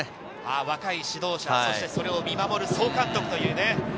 若い指導者、そして、それを見守る総監督。